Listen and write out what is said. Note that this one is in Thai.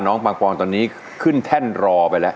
ปังปอนตอนนี้ขึ้นแท่นรอไปแล้ว